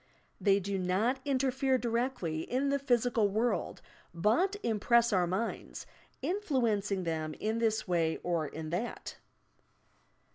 They do not interfere directly in the physical world, but im press our minds, influencing them in this way or in that.